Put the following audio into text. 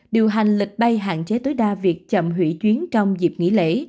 điều hành lịch bay hạn chế tối đa việc chậm hủy chuyến trong dịp nghỉ lễ